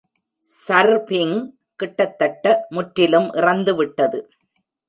Surfing கிட்டத்தட்ட முற்றிலும் இறந்துவிட்டது.